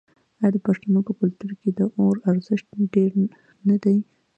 آیا د پښتنو په کلتور کې د اور ارزښت ډیر نه دی؟